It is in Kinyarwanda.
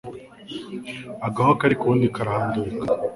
Agahwa kari k'uwundi karahandurika.